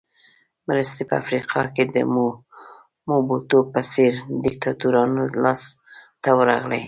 مرستې په افریقا کې د موبوټو په څېر دیکتاتورانو لاس ته ورغلې.